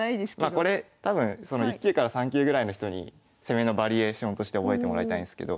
まあこれ多分１級から３級ぐらいの人に攻めのバリエーションとして覚えてもらいたいんですけど。